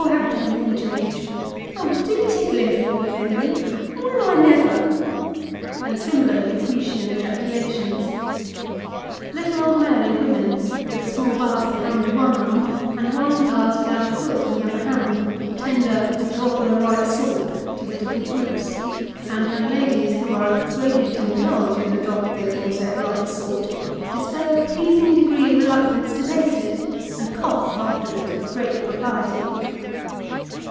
Ha' done, then, George Oh, do tickle him for me, Mary Well, I never !" and similar Lucre tian ejaculations. Little old men and women, with a small basket under one arm, and a wine glass, without a foot, in the other hand, tender " a drop o' the right sort " to the different groups ; and young ladies, who are persuaded to indulge in a drop of the aforesaid right sort, display a pleasing degree of reluctance to taste it, and cough afterwards with great propriety.